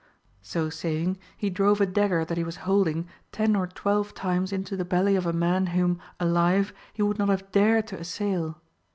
So saying, he drove a dagger that he was holding ten or twelve times into the belly of a man whom, alive, he would not have dared to assail.